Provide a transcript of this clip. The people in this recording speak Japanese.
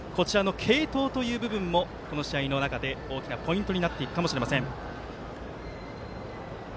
継投という部分もこの試合の中で大きなポイントになっていくかもしれません。